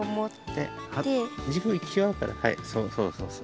はいそうそうそうそう。